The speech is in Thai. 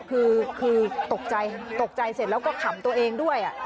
คือตกใจตกใจเสร็จแล้วก็ขำตัวเองด้วย